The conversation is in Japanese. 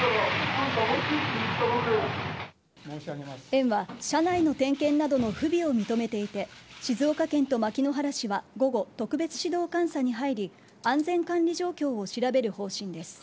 園は車内の点検などの不備を認めていて静岡県と牧之原市は午後、特別指導監査に入り安全管理状況を調べる方針です。